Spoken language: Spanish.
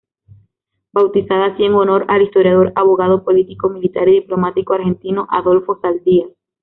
Bautizada así en honor al historiador, abogado, político, militar y diplomático argentino Adolfo Saldías.